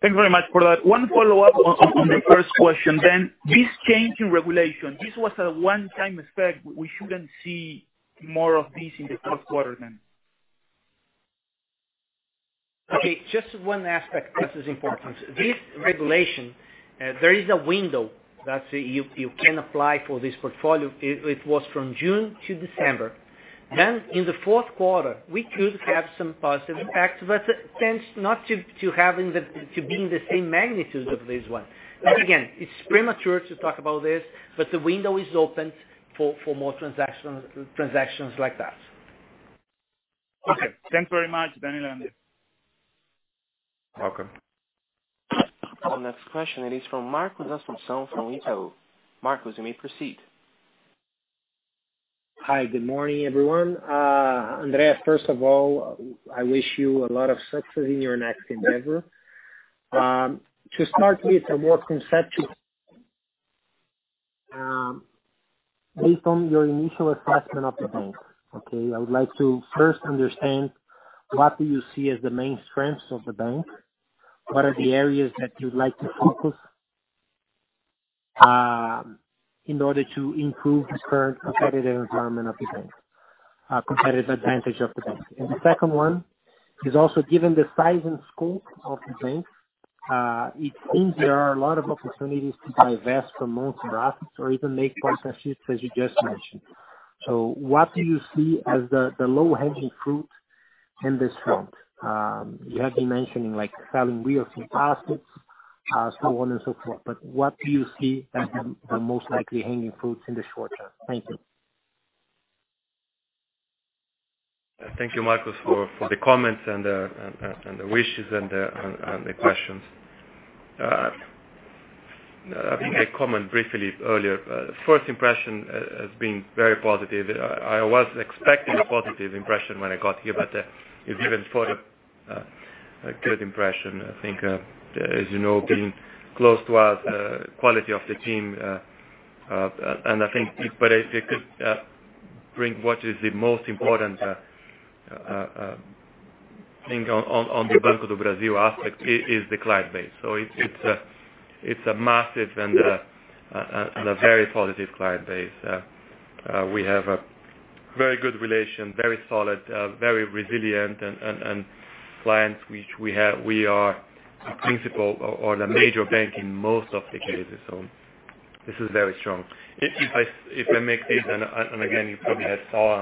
Thank you very much for that. One follow-up on the first question then. This change in regulation, this was a one-time effect. We shouldn't see more of this in the fourth quarter then. Okay. Just one aspect that is important. This regulation, there is a window that you can apply for this portfolio. It was from June to December. Then in the fourth quarter, we could have some positive effects, but it tends not to be in the same magnitude of this one. But again, it's premature to talk about this, but the window is open for more transactions like that. Okay. Thanks very much, Daniel. And welcome. Our next question, it is from Marcos Assumpção from Itaú BBA. Marcos, you may proceed. Hi. Good morning, everyone. Andrea, first of all, I wish you a lot of success in your next endeavor. To start with, our work inception, based on your initial assessment of the bank, okay, I would like to first understand what do you see as the main strengths of the bank? What are the areas that you'd like to focus in order to improve the current competitive environment of the bank, competitive advantage of the bank? And the second one is also, given the size and scope of the bank, it seems there are a lot of opportunities to divest from most assets or even make quantitative shifts, as you just mentioned. So what do you see as the low-hanging fruit in this front? You have been mentioning selling real assets, so on and so forth. But what do you see as the most likely hanging fruits in the short term? Thank you. Thank you, Marcos, for the comments and the wishes and the questions. I think I commented briefly earlier. First impression has been very positive. I was expecting a positive impression when I got here, but you've given a good impression. I think, as you know, being close to us, quality of the team, and I think if you could bring what is the most important thing on the Banco do Brasil aspect, it is the client base. So it's a massive and a very positive client base. We have a very good relation, very solid, very resilient clients, which we are the principal or the major bank in most of the cases. So this is very strong. If I make this, and again, you probably have saw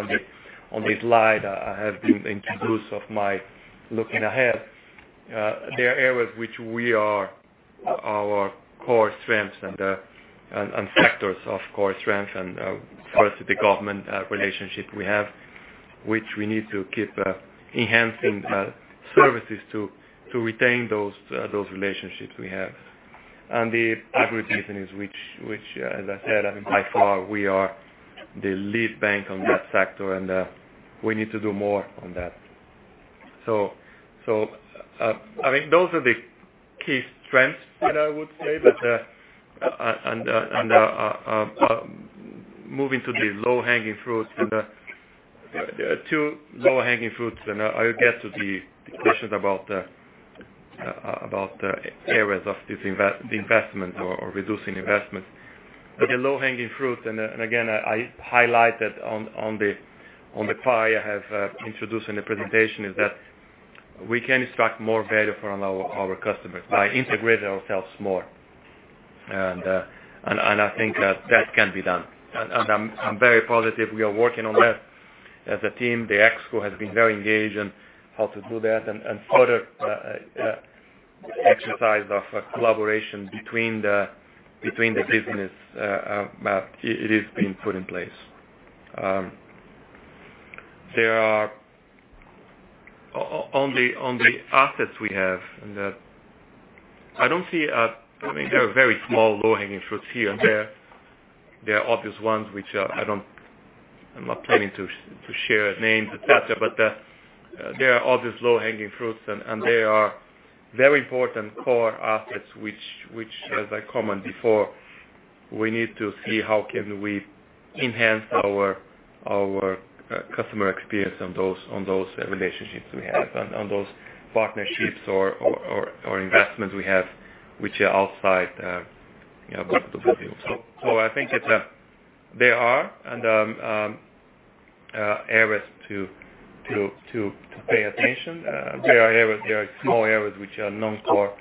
on this slide, I have been introduced of my looking ahead. There are areas which we are our core strengths and sectors of core strength, and first is the government relationship we have, which we need to keep enhancing services to retain those relationships we have. And the agribusiness, which, as I said, I mean, by far, we are the lead bank on that sector, and we need to do more on that. So I think those are the key strengths, I would say. And moving to the low-hanging fruits, there are two low-hanging fruits, and I'll get to the questions about the areas of the investments or reducing investments. But the low-hanging fruits, and again, I highlighted on the pie I have introduced in the presentation, is that we can extract more value from our customers by integrating ourselves more. And I think that that can be done. And I'm very positive we are working on that as a team. The ExCo has been very engaged in how to do that and further exercise of collaboration between the business. It is being put in place. There are other assets we have, and I don't see. I mean, there are very small low-hanging fruits here, and there are obvious ones, which I'm not planning to share names, etc. But there are obvious low-hanging fruits, and they are very important core assets, which, as I commented before, we need to see how can we enhance our customer experience on those relationships we have and on those partnerships or investments we have, which are outside the, so I think there are areas to pay attention. There are small areas which are non-core.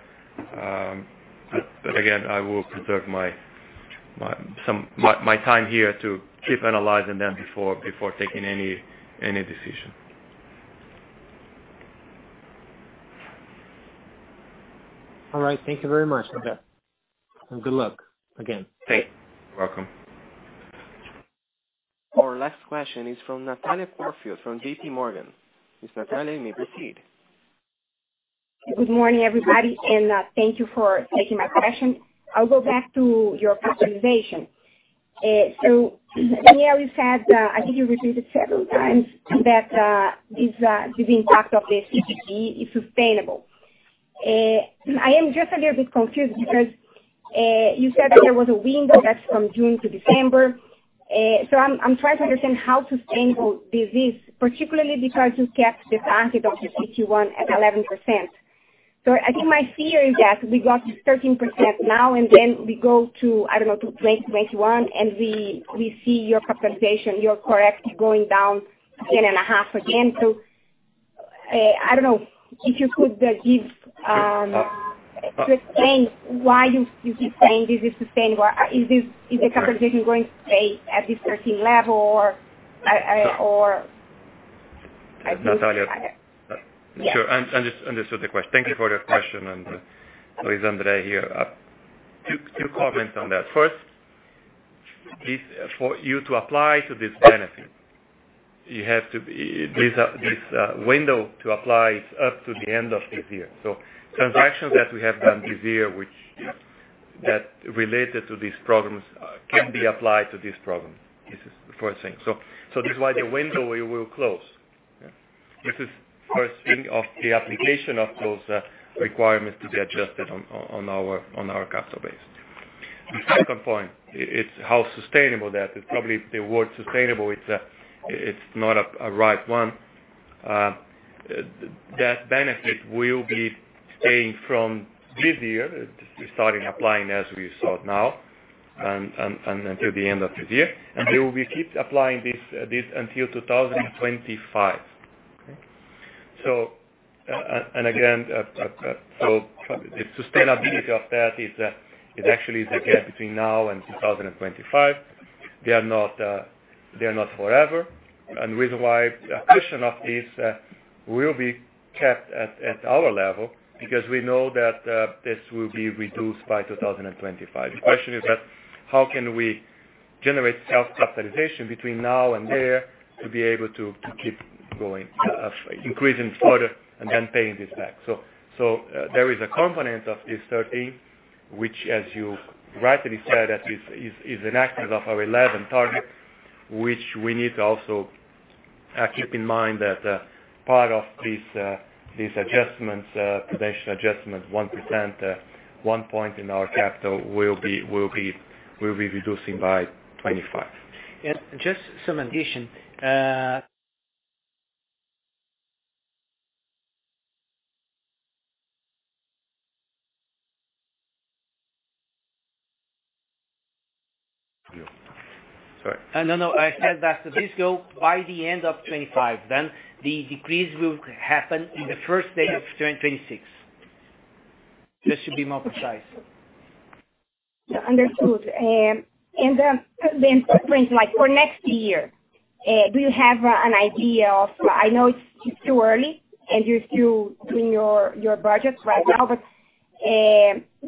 But again, I will preserve my time here to keep analyzing them before taking any decision. All right. Thank you very much, André. And good luck again. Thank you. You're welcome. Our last question is from Natalia Corfield from JPMorgan. Ms. Natalia, you may proceed. Good morning, everybody. And thank you for taking my question. I'll go back to your capitalization. So Daniel said, I think you repeated several times, that the impact of this is sustainable. I am just a little bit confused because you said that there was a window that's from June to December. So I'm trying to understand how sustainable this is, particularly because you kept the target of the CT1 at 11%. So I think my fear is that we got 13% now, and then we go to, I don't know, to 2021, and we see your capitalization, your CT1, going down 10.5% again. So I don't know if you could explain why you keep saying this is sustainable. Is the capitalization going to stay at this 13% level, or? Natalia, sure. I understood the question. Thank you for the question. And there is André here. Two comments on that. First, for you to apply to this benefit, you have to this window to apply is up to the end of this year. So transactions that we have done this year that related to these programs can be applied to these programs. This is the first thing. So this is why the window will close. This is the first thing of the application of those requirements to be adjusted on our capital base. The second point, it's how sustainable that is. Probably the word sustainable, it's not a right one. That benefit will be staying from this year. We're starting applying as we saw now and until the end of this year. And we will keep applying this until 2025. And again, so the sustainability of that is actually the gap between now and 2025. They are not forever. The reason why a portion of this will be kept at our level is because we know that this will be reduced by 2025. The question is how can we generate self-capitalization between now and there to be able to keep going, increasing further, and then paying this back? There is a component of this 13, which, as you rightly said, is an action of our 11 target, which we need to also keep in mind that part of these adjustments, potential adjustments, 1%, 1 point in our capital will be reducing by 2025. And just some addition. Sorry. No, no. I said that this goes by the end of 2025. Then the decrease will happen in the first day of 2026. Just to be more precise. Understood. For next year, do you have an idea? I know it's too early, and you're still doing your budgets right now, but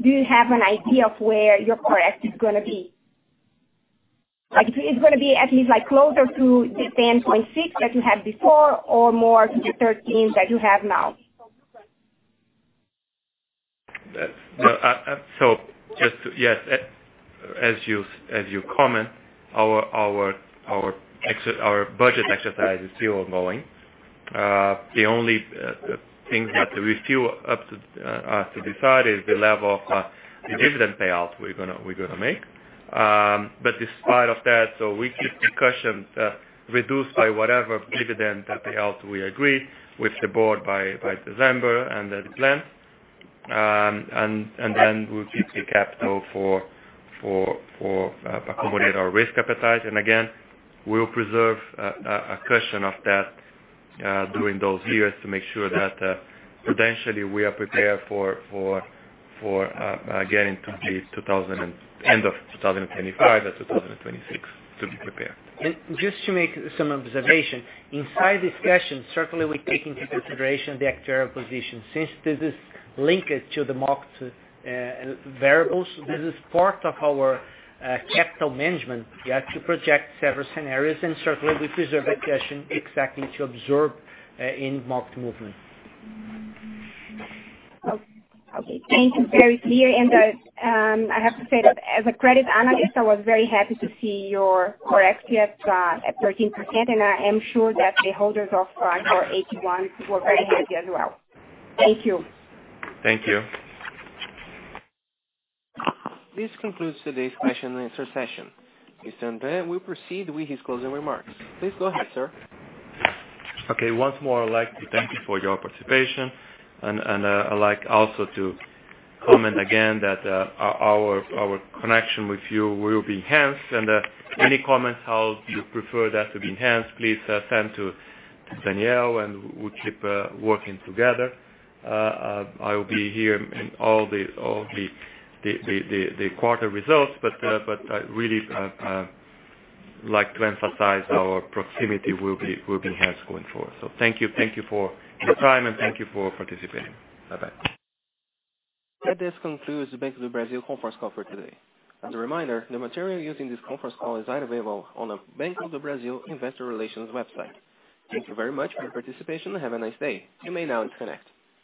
do you have an idea of where your core CT1 is going to be? Is it going to be at least closer to the 10.6% that you had before or more to the 13% that you have now? Yes, as you comment, our budget exercise is still ongoing. The only things that we still have to decide is the level of the dividend payout we're going to make. But despite of that, we keep the cushion reduced by whatever dividend payout we agree with the board by December and the plan. Then we'll keep the capital for accommodating our risk appetite. We'll preserve a cushion of that during those years to make sure that potentially we are prepared for getting to the end of 2025 and 2026 to be prepared. Just to make some observation, inside this session, certainly we're taking into consideration the actuarial position since this is linked to the market variables. This is part of our capital management to project several scenarios, and certainly we preserve the cushion exactly to absorb in market movement. Okay. Thank you. Very clear. I have to say that as a credit analyst, I was very happy to see your Core at 13%, and I am sure that the holders of your AT1 were very happy as well. Thank you. Thank you. This concludes today's question and answer session. Mr. André, we proceed with his closing remarks. Please go ahead, sir. Okay. Once more, I'd like to thank you for your participation, and I'd like also to comment again that our connection with you will be enhanced, and any comments, how you prefer that to be enhanced, please send to Daniel, and we'll keep working together. I will be here in all the quarter results, but I really like to emphasize our proximity will be enhanced going forward, so thank you for your time, and thank you for participating. Bye-bye. That does conclude the Banco do Brasil conference call for today. As a reminder, the material used in this conference call is not available on the Banco do Brasil investor relations website. Thank you very much for your participation, and have a nice day. You may now disconnect.